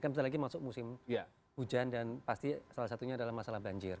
kan bisa lagi masuk musim hujan dan pasti salah satunya adalah masalah banjir